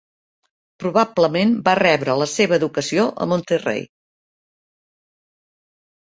Probablement va rebre la seva educació a Monterrey.